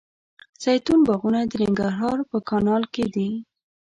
زیتون باغونه د ننګرهار په کانال کې دي.